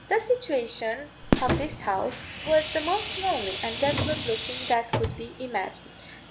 The situation of this house was the most lonely and desolate looking that could be imagined.